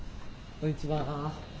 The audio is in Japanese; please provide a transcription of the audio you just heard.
こんにちは。